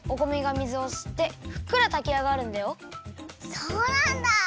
そうなんだ！